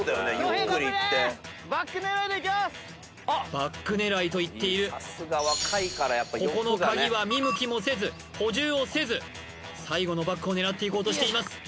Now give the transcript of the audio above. バッグ狙いと言っているここのカギは見向きもせず補充をせず最後のバッグを狙っていこうとしています